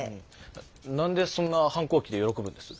何でそんな反抗期で喜ぶんです？